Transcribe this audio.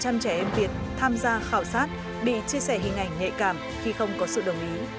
một trăm linh trẻ em việt tham gia khảo sát bị chia sẻ hình ảnh nhạy cảm khi không có sự đồng ý